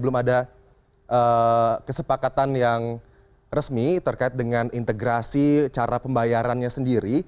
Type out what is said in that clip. belum ada kesepakatan yang resmi terkait dengan integrasi cara pembayarannya sendiri